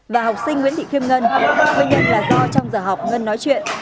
và học sinh nguyễn thị khiêm ngân quyên nhận là do trong giờ học ngân nói chuyện